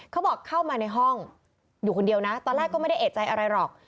เขาบอกเข้ามาในห้องอยู่คนเดียวนะตอนแรกก็ไม่ได้เอกใจอะไรหรอก